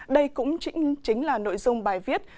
đây cũng chính là nội dung bài viết